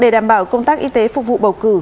để đảm bảo công tác y tế phục vụ bầu cử